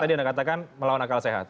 tadi anda katakan melawan akal sehat